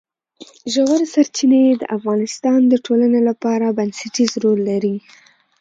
ژورې سرچینې د افغانستان د ټولنې لپاره بنسټيز رول لري.